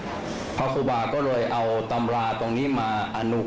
ก็เป็นเรื่องของความเชื่อความศรัทธาเป็นการสร้างขวัญและกำลังใจ